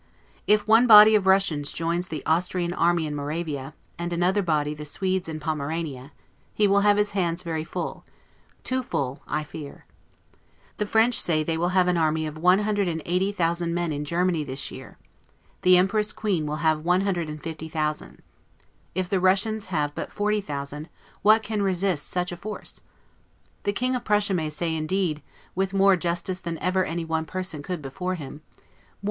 If one body of Russians joins the Austrian army in Moravia, and another body the Swedes in Pomerania, he will have his hands very full, too full, I fear. The French say they will have an army of 180,000 men in Germany this year; the Empress Queen will have 150,000; if the Russians have but 40,000, what can resist such a force? The King of Prussia may say, indeed, with more justice than ever any one person could before him, 'Moi.